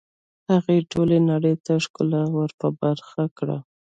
هغه ټولې نړۍ ته ښکلا ور په برخه کړه